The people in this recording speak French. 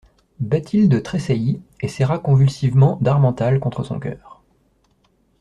Bathilde tressaillit et serra convulsivement d'Harmental contre son coeur.